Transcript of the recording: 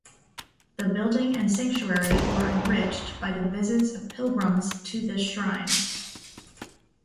The building and sanctuary were enriched by the visits of pilgrims to this shrine.